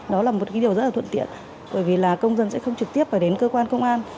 đó là một điều rất thuận tiện bởi vì là công dân sẽ không trực tiếp phải đến cơ quan công an